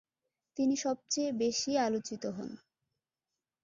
তিনি সবচেয়ে বেশি আলোচিত হন।